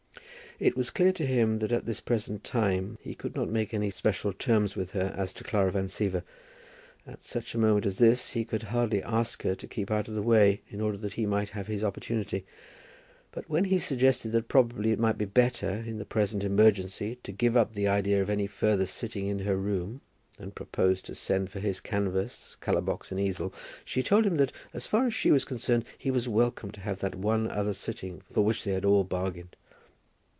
It was clear to him that at this present time he could not make any special terms with her as to Clara Van Siever. At such a moment as this he could hardly ask her to keep out of the way, in order that he might have his opportunity. But when he suggested that probably it might be better, in the present emergency, to give up the idea of any further sitting in her room, and proposed to send for his canvas, colour box, and easel, she told him that, as far as she was concerned, he was welcome to have that one other sitting for which they had all bargained.